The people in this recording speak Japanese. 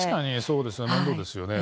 面倒ですよね。